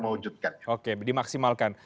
mewujudkannya oke dimaksimalkan